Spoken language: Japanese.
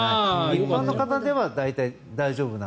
一般の方では大体、大丈夫な。